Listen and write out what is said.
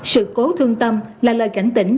sự cố thương tâm là lời cảnh tỉnh